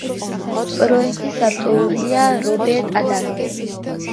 პროექტის ავტორია რობერტ ადამი.